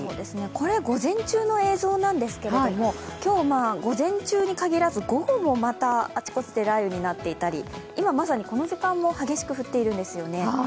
これ、午前中の映像なんですけれども、今日、午前中にかぎらず午後もまたあちこちで雷雨になっていたり今まさにこの時間も激しく降っているんですよね。